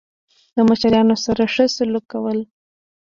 له مشتريانو سره خه سلوک کول